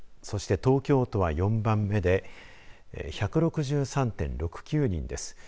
そして、東京都は４番目で１６３．６９人です。